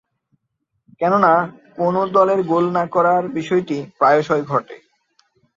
কেননা, কোন দলের গোল না করার বিষয়টি প্রায়শঃই ঘটে থাকে।